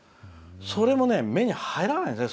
それも目に入らないね。